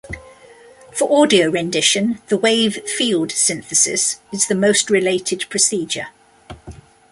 For audio rendition, the wave field synthesis is the most related procedure.